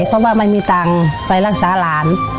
เพราะว่าไม่มีตังค์ไปรักษาหลาน